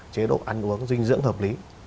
chế độ ăn uống dinh dưỡng hợp lý